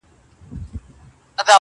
!شینکی آسمانه!!